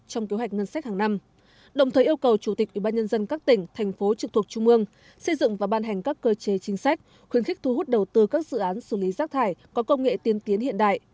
trong kế hoạch ngân sách hàng năm đồng thời yêu cầu chủ tịch ủy ban nhân dân các tỉnh